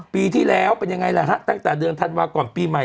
ปีที่แล้วเป็นยังไงล่ะฮะตั้งแต่เดือนธันวาก่อนปีใหม่